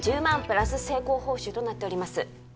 プラス成功報酬となっております